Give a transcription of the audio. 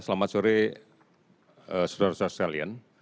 selamat sore saudara saudara sekalian